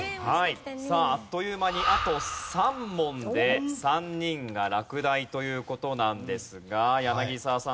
さああっという間にあと３問で３人が落第という事なんですが柳澤さん